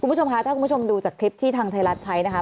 คุณผู้ชมคะถ้าคุณผู้ชมดูจากคลิปที่ทางไทยรัฐใช้นะคะ